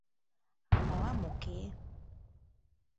— А мылам — уке...